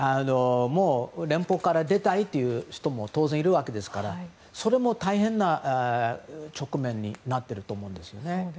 連邦から出たいという人も当然いるわけですからそれも大変な直面になってると思うんですよね。